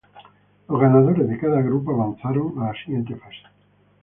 Los ganadores de cada grupo avanzaron a la siguiente fase.